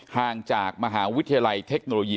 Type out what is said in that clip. ห่างจากมหาวิทยาลัยเทคโนโลยี